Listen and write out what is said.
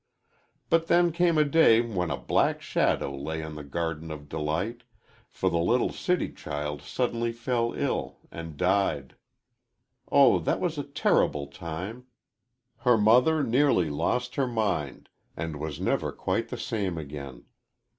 "But then came a day when a black shadow lay on the Garden of Delight, for the little city child suddenly fell ill and died. Oh, that was a terrible time. Her mother nearly lost her mind, and was never quite the same again.